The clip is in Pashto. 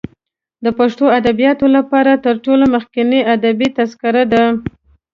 د پښتو ادبیاتو لپاره تر ټولو مخکنۍ ادبي تذکره ده.